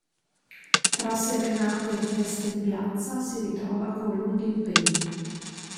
Tra serenate e feste di piazza, si ritrova colmo di impegni.